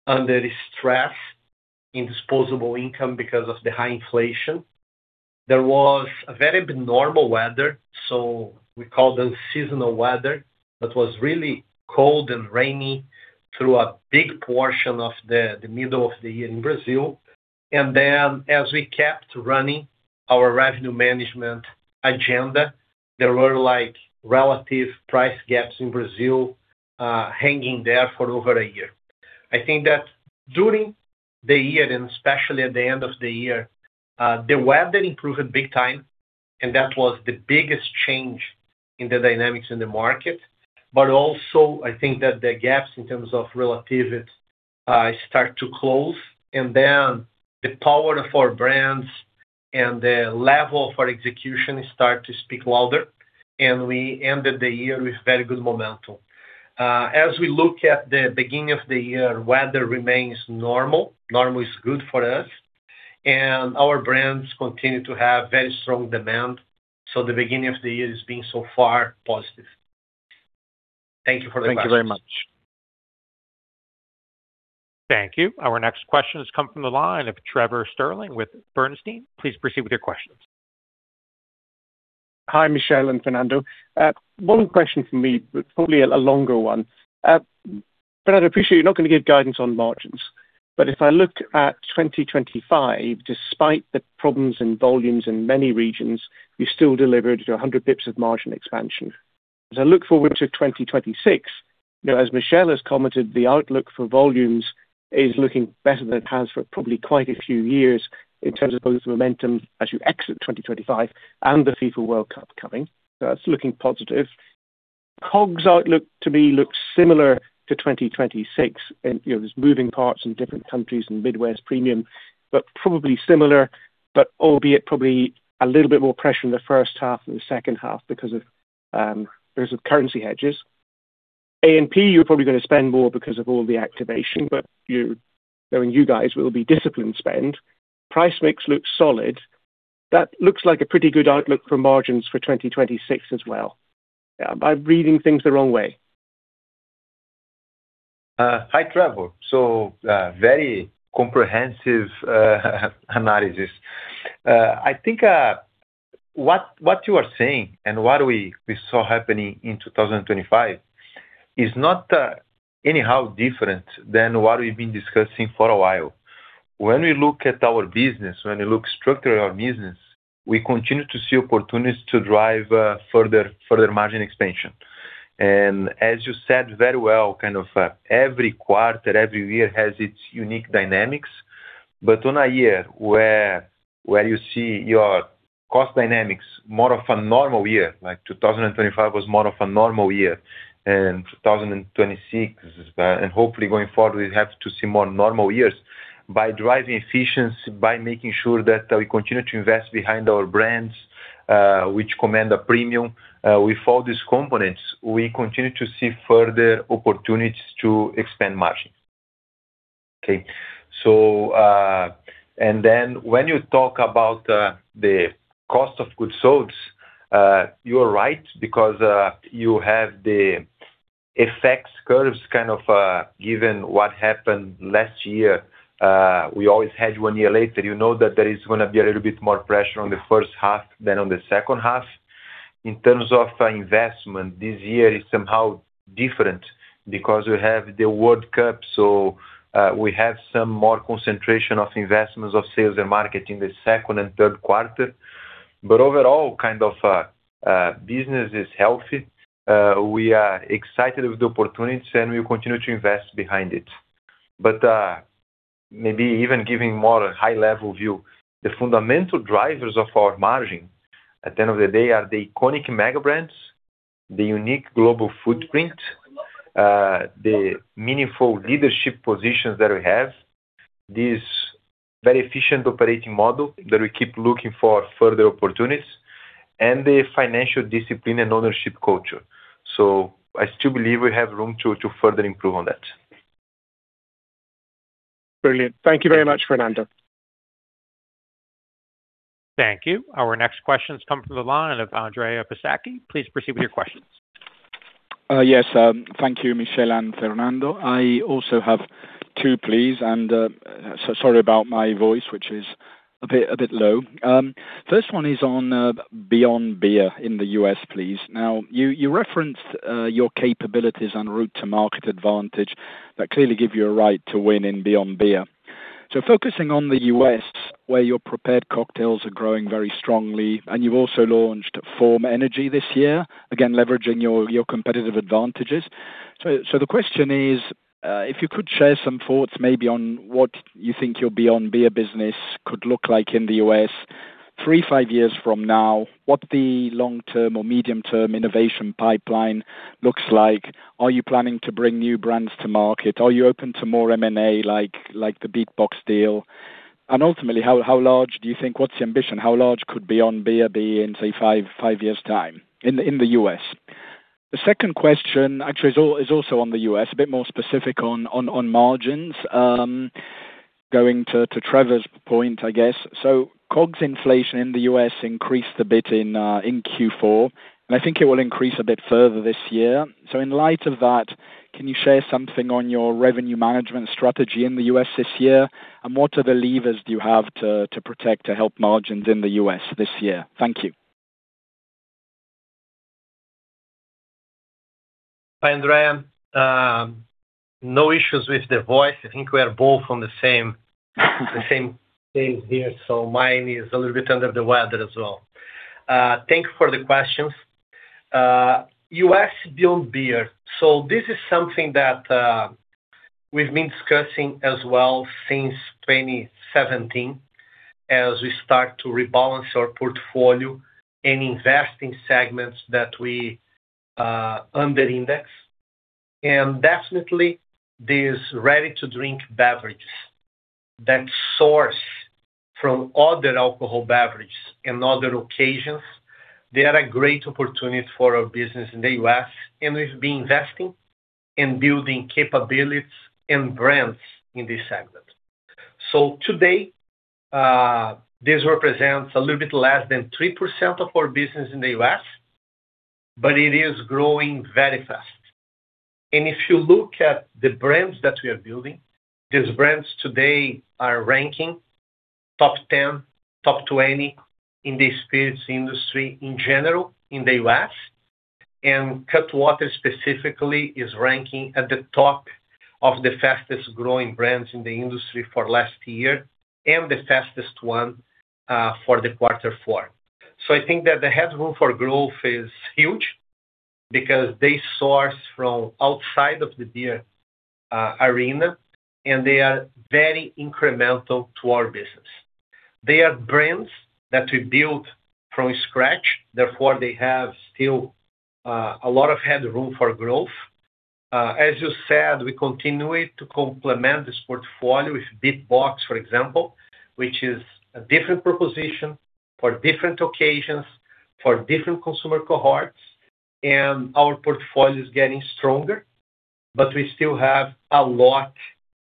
under stress in disposable income because of the high inflation. There was a very abnormal weather, so we call them seasonal weather. But was really cold and rainy through a big portion of the middle of the year in Brazil. And then, as we kept running our revenue management agenda, there were like relative price gaps in Brazil, hanging there for over a year. I think that during the year, and especially at the end of the year, the weather improved big time, and that was the biggest change in the dynamics in the market. But also, I think that the gaps in terms of relativity, start to close, and then the power of our brands and the level of our execution start to speak louder, and we ended the year with very good momentum. As we look at the beginning of the year, weather remains normal. Normal is good for us, and our brands continue to have very strong demand, so the beginning of the year is being so far positive. Thank you for the question. Thank you very much. Thank you. Our next question has come from the line of Trevor Stirling with Bernstein. Please proceed with your question. Hi, Michel and Fernando. One question for me, but probably a longer one. But I'd appreciate you're not going to give guidance on margins. But if I look at 2025, despite the problems in volumes in many regions, we still delivered 100 bips of margin expansion. As I look forward to 2026, you know, as Michel has commented, the outlook for volumes is looking better than it has for probably quite a few years in terms of both the momentum as you exit 2025 and the FIFA World Cup coming. That's looking positive. COGS outlook to me looks similar to 2026, and, you know, there's moving parts in different countries and Midwest premium, but probably similar, but albeit probably a little bit more pressure in the first half than the second half because of, because of currency hedges. A&P, you're probably going to spend more because of all the activation, but you, knowing you guys, will be disciplined spend. Price mix looks solid. That looks like a pretty good outlook for margins for 2026 as well. Am I reading things the wrong way? Hi, Trevor. So, very comprehensive analysis. I think what you are saying and what we saw happening in 2025 is not anyhow different than what we've been discussing for a while. When we look at our business, when we look structurally at our business, we continue to see opportunities to drive further margin expansion. And as you said very well, kind of, every quarter, every year has its unique dynamics. But on a year where you see your cost dynamics, more of a normal year, like 2025 was more of a normal year, and 2026, and hopefully going forward, we have to see more normal years. By driving efficiency, by making sure that we continue to invest behind our brands, which command a premium, with all these components, we continue to see further opportunities to expand margins. Okay, so, and then when you talk about the cost of goods sold, you are right because you have the effects curves, kind of, given what happened last year, we always had one year later. You know that there is gonna be a little bit more pressure on the first half than on the second half. In terms of investment, this year is somehow different because we have the World Cup, so, we have some more concentration of investments of sales and marketing in the second and third quarter. But overall, kind of, business is healthy. We are excited with the opportunities, and we'll continue to invest behind it. But, maybe even giving more high-level view, the fundamental drivers of our margin, at the end of the day, are the iconic mega brands, the unique global footprint, the meaningful leadership positions that we have, this very efficient operating model that we keep looking for further opportunities and the financial discipline and ownership culture. So I still believe we have room to further improve on that. Brilliant. Thank you very much, Fernando. Thank you. Our next question comes from the line of Andrea Pistacchi. Please proceed with your questions. Yes, thank you, Michel and Fernando. I also have two, please, and so sorry about my voice, which is a bit low. First one is on Beyond Beer in the U.S., please. Now, you referenced your capabilities en route to market advantage that clearly give you a right to win in Beyond Beer. So focusing on the U.S., where your prepared cocktails are growing very strongly, and you've also launched Form Energy this year, again, leveraging your competitive advantages. So the question is, if you could share some thoughts maybe on what you think your Beyond Beer business could look like in the U.S. three, five years from now, what the long-term or medium-term innovation pipeline looks like. Are you planning to bring new brands to market? Are you open to more M&A, like the BeatBox deal? Ultimately, how large do you think what's the ambition? How large could Beyond Beer be in, say, 5 years' time in the U.S.? The second question actually is also on the U.S., a bit more specific on margins. Going to Trevor's point, I guess. COGS inflation in the U.S. increased a bit in Q4, and I think it will increase a bit further this year. In light of that, can you share something on your revenue management strategy in the U.S. this year? And what are the levers do you have to protect, to help margins in the U.S. this year? Thank you. Hi, Andrea. No issues with the voice. I think we are both on the same, the same page here, so mine is a little bit under the weather as well. Thank you for the questions. U.S. Beyond Beer. So this is something that we've been discussing as well since 2017, as we start to rebalance our portfolio and invest in segments that we under index. And definitely, this ready to drink beverages that source from other alcohol beverage and other occasions, they are a great opportunity for our business in the U.S., and we've been investing and building capabilities and brands in this segment. So today, this represents a little bit less than 3% of our business in the U.S., but it is growing very fast. If you look at the brands that we are building, these brands today are ranking top 10, top 20 in the spirits industry in general, in the U.S. Cutwater, specifically, is ranking at the top of the fastest-growing brands in the industry for last year and the fastest one for quarter four. I think that the headroom for growth is huge because they source from outside of the beer arena, and they are very incremental to our business. They are brands that we built from scratch, therefore, they have still a lot of headroom for growth. As you said, we continue to complement this portfolio with BeatBox, for example, which is a different proposition for different occasions, for different consumer cohorts. Our portfolio is getting stronger, but we still have a lot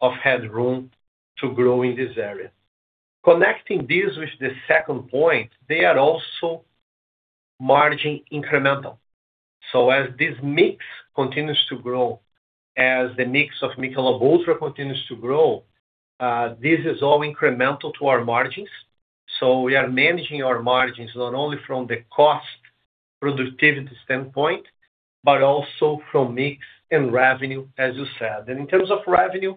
of headroom to grow in this area. Connecting this with the second point, they are also margin incremental. So as this mix continues to grow, as the mix of Michelob ULTRA continues to grow, this is all incremental to our margins. So we are managing our margins not only from the cost productivity standpoint, but also from mix and revenue, as you said. And in terms of revenue,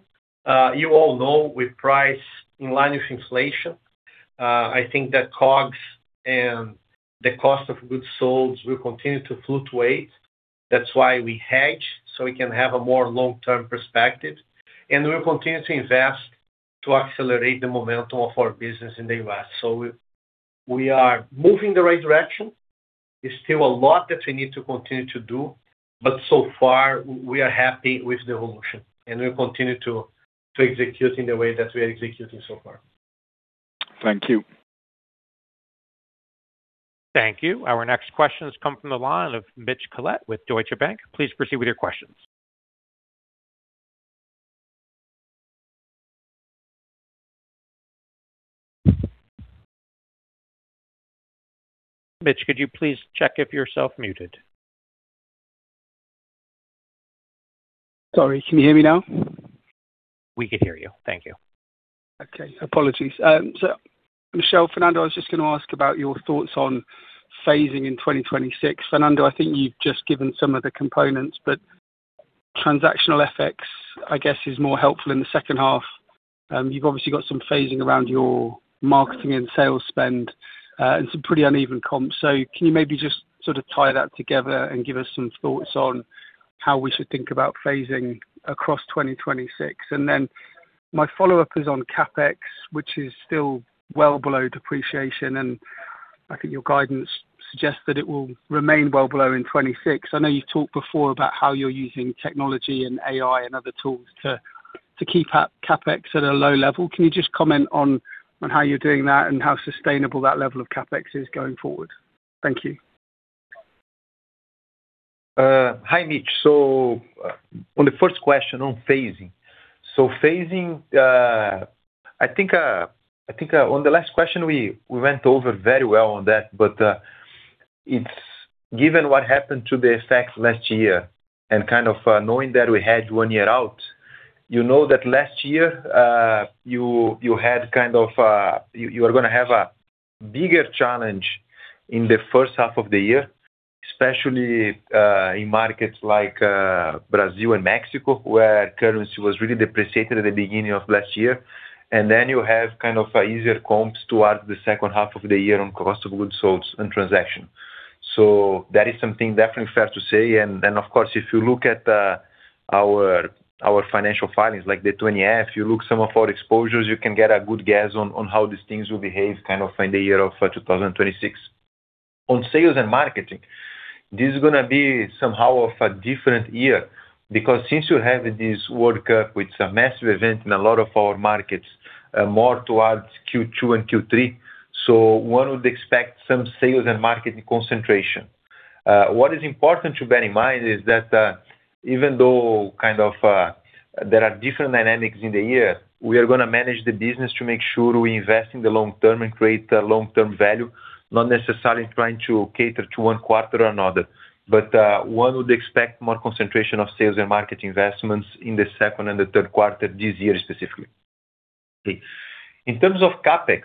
you all know we price in line with inflation. I think that COGS and the cost of goods sold will continue to fluctuate. That's why we hedge, so we can have a more long-term perspective, and we'll continue to invest to accelerate the momentum of our business in the U.S. So we, we are moving in the right direction. There's still a lot that we need to continue to do, but so far, we are happy with the evolution, and we'll continue to execute in the way that we are executing so far. Thank you. Thank you. Our next question has come from the line of Mitch Collett with Deutsche Bank. Please proceed with your questions. Mitch, could you please check if you're self-muted? Sorry, can you hear me now? We can hear you. Thank you. Okay, apologies. So Michel, Fernando, I was just going to ask about your thoughts on phasing in 2026. Fernando, I think you've just given some of the components, but transactional effects, I guess, is more helpful in the second half. You've obviously got some phasing around your marketing and sales spend, and some pretty uneven comps. So can you maybe just sort of tie that together and give us some thoughts on how we should think about phasing across 2026? And then my follow-up is on CapEx, which is still well below depreciation, and I think your guidance suggests that it will remain well below in 2026. I know you've talked before about how you're using technology and AI and other tools to, to keep up CapEx at a low level. Can you just comment on how you're doing that and how sustainable that level of CapEx is going forward? Thank you. Hi, Mitch. So on the first question on phasing. So phasing, I think, I think, on the last question, we, we went over very well on that, but, it's given what happened to the effects last year and kind of, knowing that we had one year out, you know that last year, you, you had kind of, you, you are going to have a bigger challenge in the first half of the year, especially, in markets like, Brazil and Mexico, where currency was really depreciated at the beginning of last year. And then you have kind of easier comps towards the second half of the year on cost of goods sold and transaction. So that is something definitely fair to say. And of course, if you look at our financial filings, like the 20-F, you look some of our exposures, you can get a good guess on how these things will behave kind of in the year of 2026. On sales and marketing, this is going to be somehow of a different year because since you have this World Cup, which is a massive event in a lot of our markets, more towards Q2 and Q3, so one would expect some sales and marketing concentration. What is important to bear in mind is that even though kind of there are different dynamics in the year, we are going to manage the business to make sure we invest in the long term and create a long-term value, not necessarily trying to cater to one quarter or another. But one would expect more concentration of sales and market investments in the second and the third quarter this year, specifically. In terms of CapEx,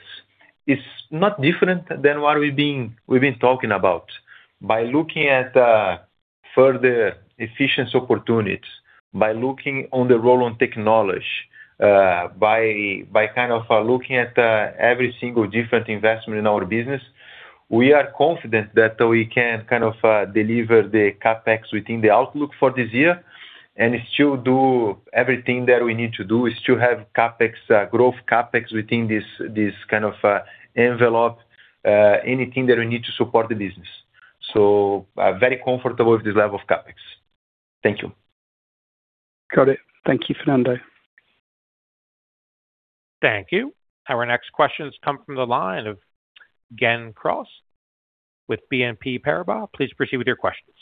it's not different than what we've been, we've been talking about. By looking at further efficiency opportunities, by looking on the role on technology, by kind of looking at every single different investment in our business, we are confident that we can kind of deliver the CapEx within the outlook for this year, and still do everything that we need to do, we still have CapEx growth CapEx within this kind of envelope, anything that we need to support the business. So I'm very comfortable with this level of CapEx. Thank you. Got it. Thank you, Fernando. Thank you. Our next question comes from the line of Gen Cross with BNP Paribas. Please proceed with your questions.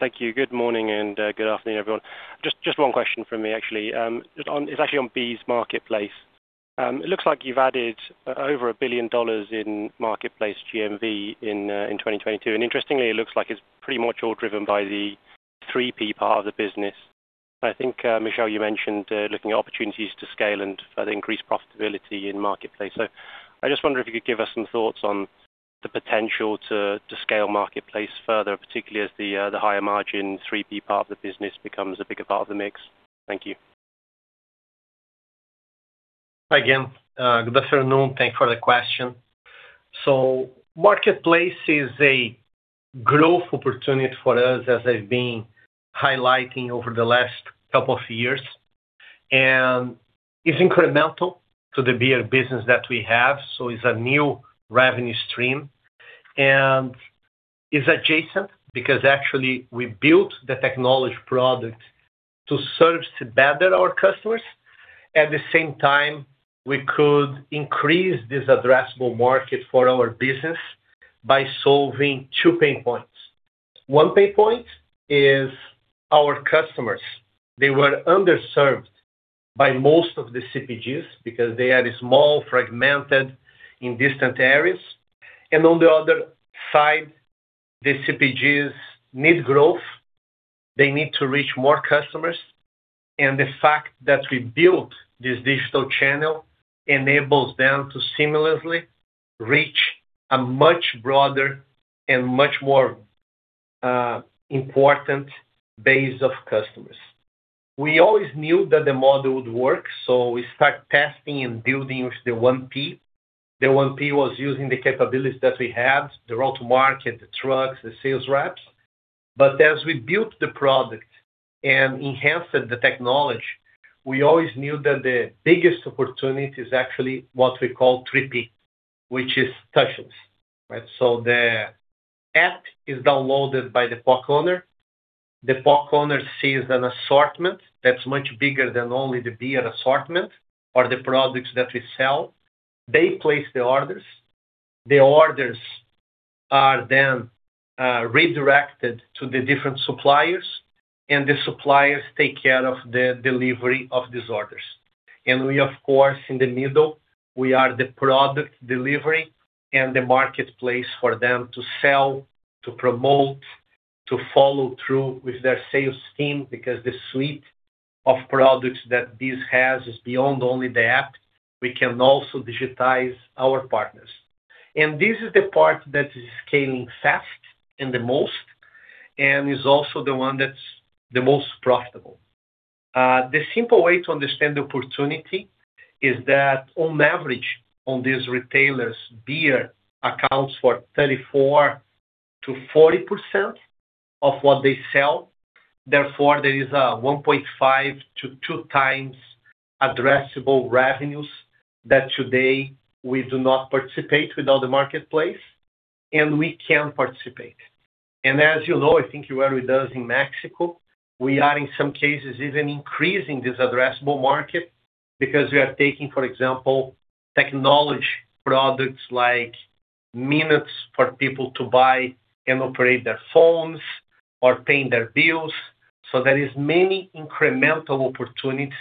Thank you. Good morning, and good afternoon, everyone. Just one question from me, actually. It's actually on BEES Marketplace. It looks like you've added over $1 billion in marketplace GMV in 2022. And interestingly, it looks like it's pretty much all driven by the third-party part of the business. I think, Michel, you mentioned looking at opportunities to scale and further increase profitability in marketplace. So I just wonder if you could give us some thoughts on the potential to scale marketplace further, particularly as the higher margin, third-party part of the business becomes a bigger part of the mix. Thank you. Hi again. Good afternoon. Thank you for the question. So marketplace is a growth opportunity for us, as I've been highlighting over the last couple of years, and it's incremental to the beer business that we have. So it's a new revenue stream, and it's adjacent because actually we built the technology product to serve better our customers. At the same time, we could increase this addressable market for our business by solving two pain points. One pain point is our customers. They were underserved by most of the CPGs because they are small, fragmented, in distant areas. And on the other side, the CPGs need growth. They need to reach more customers, and the fact that we built this digital channel enables them to seamlessly reach a much broader and much more important base of customers. We always knew that the model would work, so we start testing and building the 1P. The 1P was using the capabilities that we had, the route to market, the trucks, the sales reps. But as we built the product and enhanced the technology, we always knew that the biggest opportunity is actually what we call 3P, which is touches, right? So the app is downloaded by the bar owner. The bar owner sees an assortment that's much bigger than only the beer assortment or the products that we sell. They place the orders. The orders are then redirected to the different suppliers, and the suppliers take care of the delivery of these orders. We, of course, in the middle, we are the product delivery and the marketplace for them to sell, to promote, to follow through with their sales team, because the suite of products that this has is beyond only the app. We can also digitize our partners. And this is the part that is scaling fast and the most, and is also the one that's the most profitable. The simple way to understand the opportunity is that on average, on these retailers, beer accounts for 34%-40% of what they sell. Therefore, there is a 1.5-2 times addressable revenues that today we do not participate without the marketplace, and we can participate. As you know, I think you were with us in Mexico, we are in some cases, even increasing this addressable market because we are taking, for example, technology products like minutes for people to buy and operate their phones or paying their bills. So there is many incremental opportunities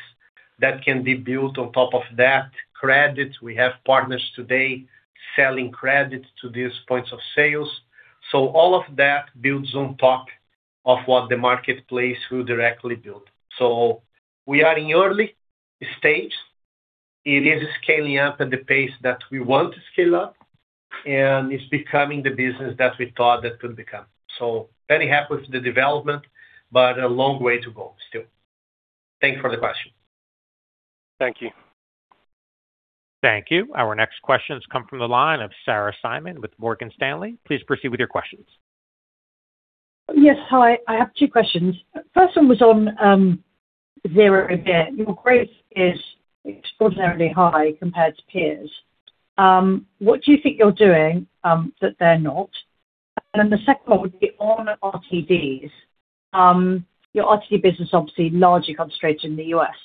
that can be built on top of that. Credit, we have partners today selling credit to these points of sales. So all of that builds on top of what the marketplace will directly build. So we are in early stage. It is scaling up at the pace that we want to scale up, and it's becoming the business that we thought that could become. So very happy with the development, but a long way to go still. Thank you for the question. Thank you. Thank you. Our next question has come from the line of Sarah Simon with Morgan Stanley. Please proceed with your questions. Yes, hi, I have two questions. First one was on zero again. Your growth is extraordinarily high compared to peers. What do you think you're doing that they're not? And then the second one would be on RTDs. Your RTD business, obviously, largely concentrated in the U.S.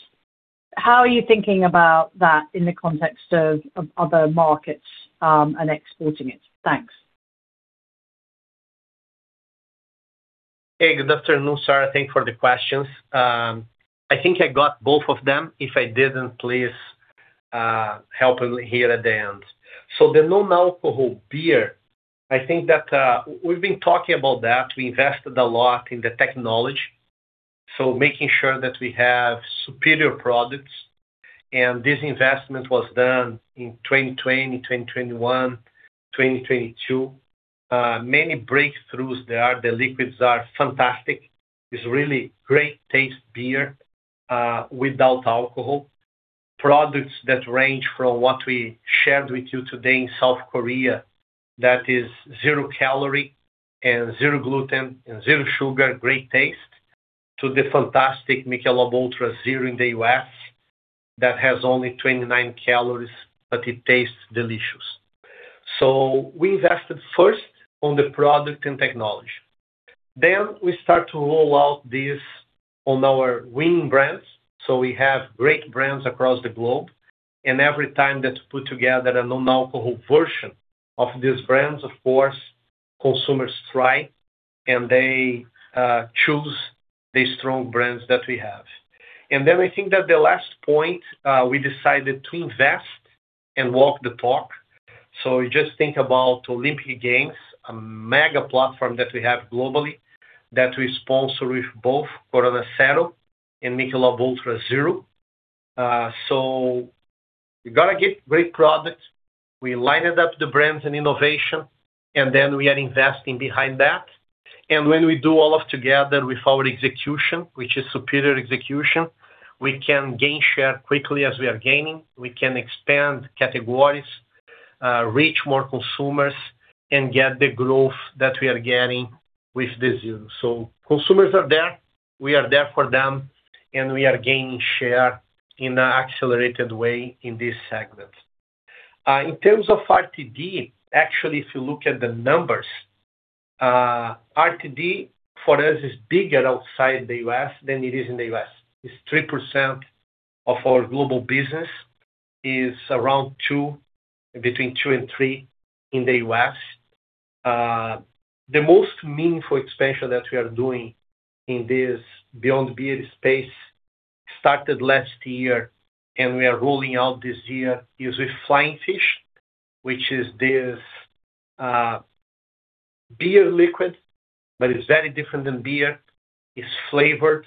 How are you thinking about that in the context of other markets and exporting it? Thanks. Hey, good afternoon, Sarah. Thank you for the questions. I think I got both of them. If I didn't, please, help me here at the end. So the non-alcohol beer, I think that, we've been talking about that. We invested a lot in the technology, so making sure that we have superior products, and this investment was done in 2020, 2021, 2022. Many breakthroughs there. The liquids are fantastic. It's really great taste beer, without alcohol. Products that range from what we shared with you today in South Korea, that is 0 calorie and 0 gluten and 0 sugar, great taste, to the fantastic Michelob ULTRA Zero in the U.S., that has only 29 calories, but it tastes delicious. So we invested first on the product and technology. Then we start to roll out this on our winning brands. So we have great brands across the globe, and every time that's put together a non-alcohol version of these brands, of course, consumers try, and they choose the strong brands that we have. And then I think that the last point, we decided to invest and walk the talk. So just think about Olympic Games, a mega platform that we have globally, that we sponsor with both Corona Cero and Michelob ULTRA Zero. So we got to get great products. We lighted up the brands and innovation, and then we are investing behind that. And when we do all of together with our execution, which is superior execution, we can gain share quickly as we are gaining. We can expand categories, reach more consumers, and get the growth that we are getting with the Zero. So consumers are there, we are there for them, and we are gaining share in an accelerated way in this segment. In terms of RTD, actually, if you look at the numbers, RTD for us is bigger outside the U.S. than it is in the U.S. It's 3% of our global business, around between 2 and 3 in the U.S. The most meaningful expansion that we are doing in this Beyond Beer space started last year, and we are rolling out this year, is with Flying Fish, which is this, beer liquid, but it's very different than beer. It's flavored.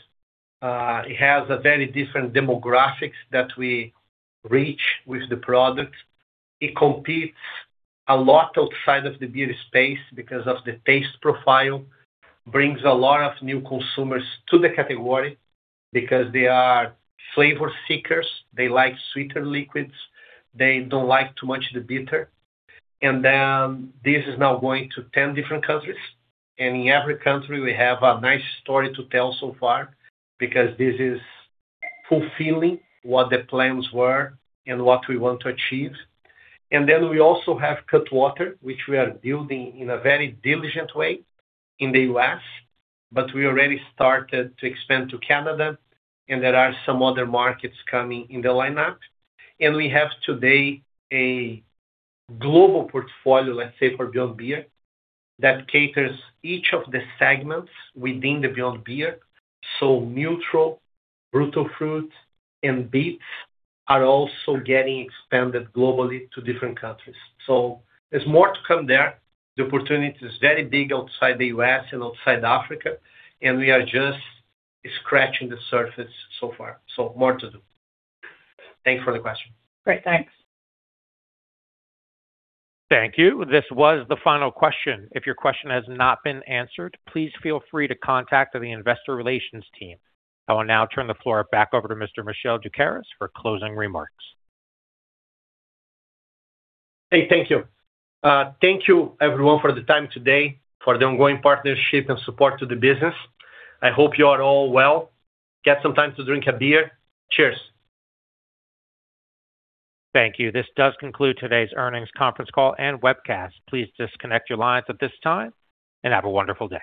It has a very different demographics that we reach with the product. It competes a lot outside of the beer space because of the taste profile. Brings a lot of new consumers to the category because they are flavor seekers. They like sweeter liquids. They don't like too much the bitter. And then this is now going to 10 different countries, and in every country, we have a nice story to tell so far, because this is fulfilling what the plans were and what we want to achieve. And then we also have Cutwater, which we are building in a very diligent way in the U.S., but we already started to expand to Canada, and there are some other markets coming in the lineup. And we have today a global portfolio, let's say, for Beyond Beer, that caters each of the segments within the Beyond Beer. So NÜTRL, Brutal Fruit, and Beats are also getting expanded globally to different countries. So there's more to come there. The opportunity is very big outside the U.S. and outside Africa, and we are just scratching the surface so far. So more to do. Thank you for the question. Great. Thanks. Thank you. This was the final question. If your question has not been answered, please feel free to contact the Investor Relations team. I will now turn the floor back over to Mr. Michel Doukeris for closing remarks. Hey, thank you. Thank you everyone for the time today, for the ongoing partnership and support to the business. I hope you are all well. Get some time to drink a beer. Cheers! Thank you. This does conclude today's earnings conference call and webcast. Please disconnect your lines at this time, and have a wonderful day.